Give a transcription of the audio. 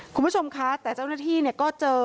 คุณผู้ชมคะแต่เจ้าหน้าที่ก็เจอ